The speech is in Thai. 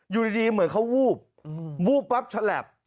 อยู่ดีเหมือนเขาวูบวูบปั๊บฉลับ